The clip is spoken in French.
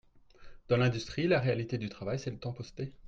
Dans l’industrie, la réalité du travail, c’est le temps posté.